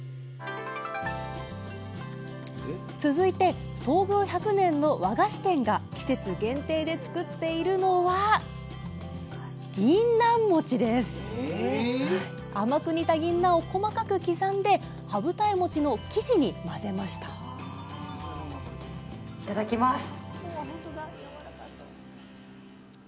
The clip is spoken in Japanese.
続いて創業１００年の和菓子店が季節限定で作っているのは甘く煮たぎんなんを細かく刻んで羽二重もちの生地に混ぜましたいただきます。